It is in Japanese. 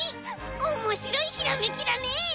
おもしろいひらめきだね！